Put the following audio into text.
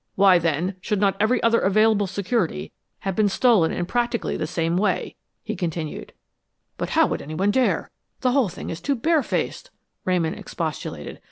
"Why, then, should not every other available security have been stolen in practically the same way?" he continued. "But how would anyone dare? The whole thing is too bare faced," Ramon expostulated.